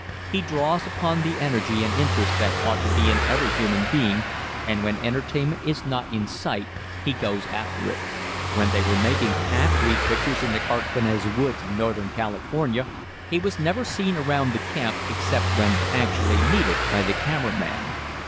He draws upon the energy and interest that ought to be in every human being, and when entertainment is not in sight, he goes after it. When they were making "The Half Breed" pictures in the Carquinez woods of Northern California, he was never seen around the camp except when actually needed by the camera man.